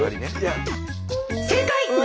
正解！